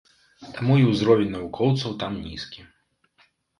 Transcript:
Таму і ўзровень навукоўцаў там нізкі.